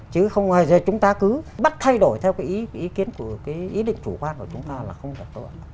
chứ không phải chúng ta cứ bắt thay đổi theo cái ý kiến của ý định chủ quan của chúng ta là không được tội